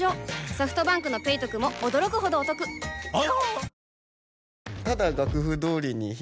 ソフトバンクの「ペイトク」も驚くほどおトクわぁ！